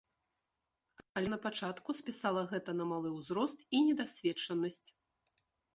Але на пачатку спісала гэта на малы ўзрост і недасведчанасць.